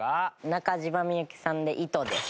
中島みゆきさんで『糸』です。